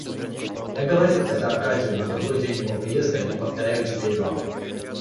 Я говорил это Аркадию на другой день его приезда и повторяю теперь вам.